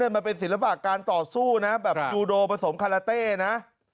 มันเป็นศิลปะการต่อสู้นะแบบยูโดผสมคาราเต้นะ